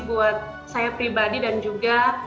buat saya pribadi dan juga